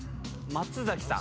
松崎さん？